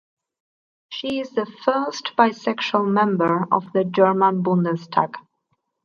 She is the first bisexual Member of the German Bundestag.